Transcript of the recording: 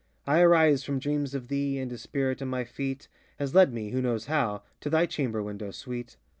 I arise from dreams of thee, And a spirit in my feet Has led meŌĆöwho knows how? ŌĆö To thy chamber window, sweet!